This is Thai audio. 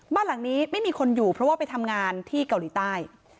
บ้านหลังนี้ไม่มีคนอยู่เพราะว่าไปทำงานที่เกาหลีใต้